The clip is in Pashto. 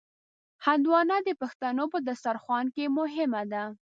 هندوانه د پښتنو په دسترخوان کې مهمه ده.